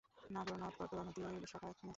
নাগর নদ করতোয়া নদীর শাখা নদী।